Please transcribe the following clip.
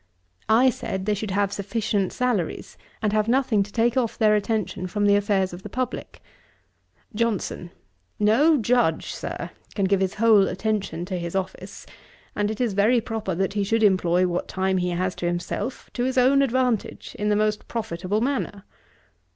I said, they should have sufficient salaries, and have nothing to take off their attention from the affairs of the publick. JOHNSON. 'No Judge, Sir, can give his whole attention to his office; and it is very proper that he should employ what time he has to himself, to his own advantage, in the most profitable manner.'